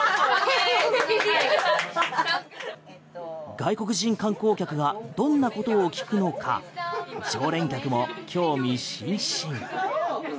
外国人観光客がどんなことを聞くのか常連客も興味津々。